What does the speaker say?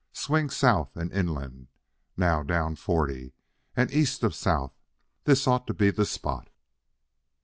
Swing south and inland.... Now down forty, and east of south.... This ought to be the spot."